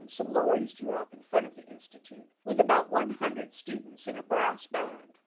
some lorries drew up in front of the institute with about one hundred students and a brass band.